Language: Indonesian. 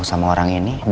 kelihatan yang terbaik